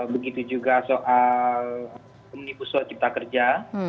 begitu juga soal pembunuh pusat cipta kerja